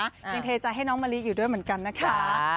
ยังเทใจให้น้องมะลิอยู่ด้วยเหมือนกันนะคะ